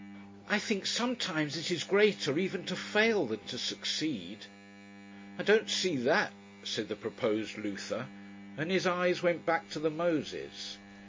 "I think sometimes it is greater even to fail than to succeed." "I don't see that," said the proposed Luther, and his eyes went back to the Moses.